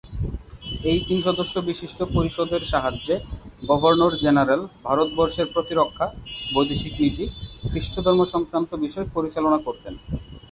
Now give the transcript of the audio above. এই তিন সদস্য বিশিষ্ট পরিষদের সাহায্যে গভর্নর জেনারেল ভারতবর্ষের প্রতিরক্ষা, বৈদেশিক নীতি, খ্রিস্টধর্ম সংক্রান্ত বিষয় পরিচালনা করতেন।